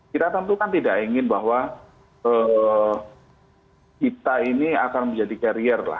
kita tentu kan tidak ingin bahwa kita ini akan menjadi carrier lah